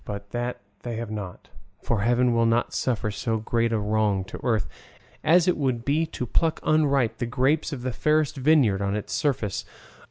But that they have not, for Heaven will not suffer so great a wrong to Earth, as it would be to pluck unripe the grapes of the fairest vineyard on its surface.